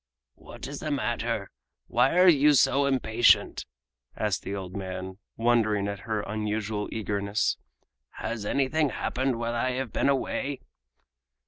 "What is the matter? Why are you so impatient?" asked the old man, wondering at her unusual eagerness. "Has anything happened while I have been away?"